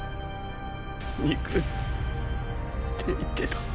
肉って言ってた。